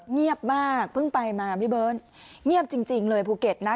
เงียบมากเพิ่งไปมาพี่เบิร์ตเงียบจริงเลยภูเก็ตนะ